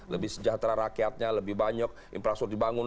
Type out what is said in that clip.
lebih sejahtera rakyatnya lebih banyak infrastruktur dibangun